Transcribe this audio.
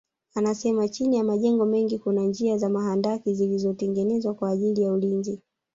Anasema chini ya majengo mengi kuna njia za mahandaki zilizotengenezwa kwa ajili ya ulinzi